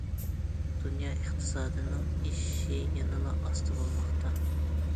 دۇنيا ئىقتىسادىنىڭ ئېشىشى يەنىلا ئاستا بولماقتا.